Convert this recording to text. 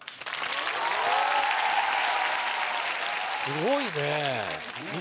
すごいね！